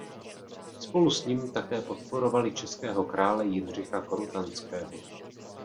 Spolu s ním také podporovali českého krále Jindřicha Korutanského.